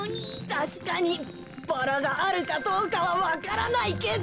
たしかにバラがあるかどうかはわからないけど。